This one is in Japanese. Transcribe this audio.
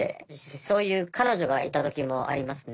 そういう彼女がいた時もありますね」。